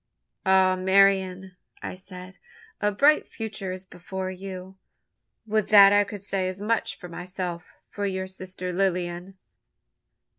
"Ah, Marian," I said, "a bright future is before you. Would that I could say as much for myself for your sister Lilian!"